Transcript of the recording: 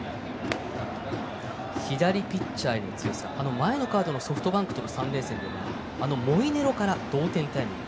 左ピッチャーの強さ前のカードのソフトバンクとの３連戦モイネロから同点タイムリー。